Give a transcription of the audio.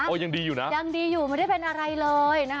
ยังดีอยู่นะยังดีอยู่ไม่ได้เป็นอะไรเลยนะคะ